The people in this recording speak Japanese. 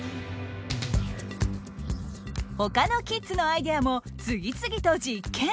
ほかのキッズのアイデアも次々と実験！